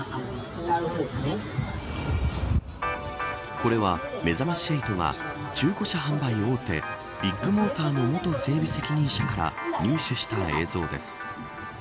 これはめざまし８が中古車販売大手ビッグモーターの元整備責任者から入手した映像です。